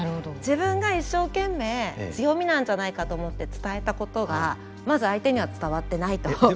自分が一生懸命強みなんじゃないかと思って伝えたことがまず相手には伝わってないと。